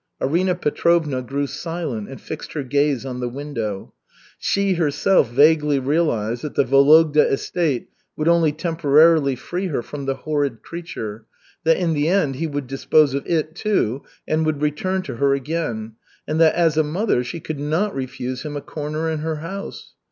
Arina Petrovna grew silent and fixed her gaze on the window. She herself vaguely realized that the Vologda estate would only temporarily free her from "the horrid creature," that in the end he would dispose of it, too, and would return to her again, and that as a mother she could not refuse him a corner in her house.